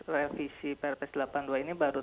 revisi pr press delapan puluh dua ini baru